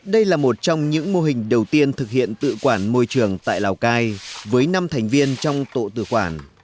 đây là một trong những mô hình đầu tiên thực hiện tự quản môi trường tại lào cai với năm thành viên trong tổ tự quản